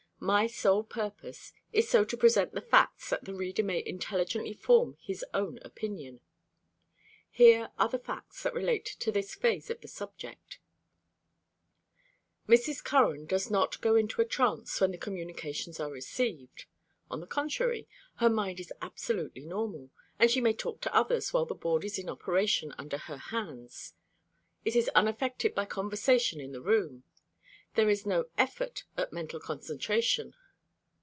My sole purpose is so to present the facts that the reader may intelligently form his own opinion. Here are the facts that relate to this phase of the subject: Mrs. Curran does not go into a trance when the communications are received. On the contrary, her mind is absolutely normal, and she may talk to others while the board is in operation under her hands. It is unaffected by conversation in the room. There is no effort at mental concentration.